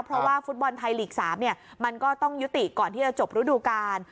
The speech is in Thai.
เพราะว่าฟุตบอลไทยลีก๓มันก็ต้องยุติก่อนที่จะจบรูดูการ